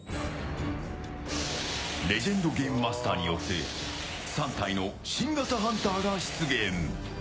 レジェンドゲームマスターによって３体の新型ハンターが出現。